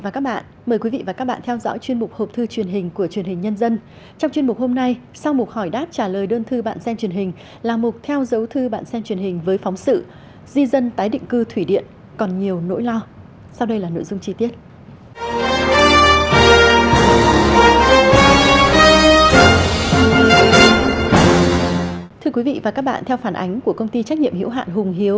các bạn hãy đăng ký kênh để ủng hộ kênh của chúng mình nhé